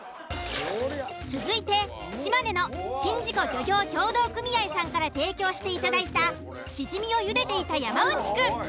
続いて島根の宍道湖漁業協同組合さんから提供していただいたシジミを茹でていた山内くん。